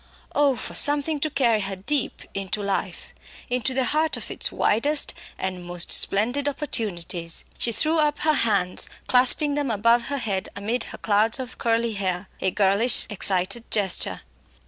Oh! for something to carry her deep into life; into the heart of its widest and most splendid opportunities! She threw up her hands, clasping them above her head amid her clouds of curly hair a girlish excited gesture.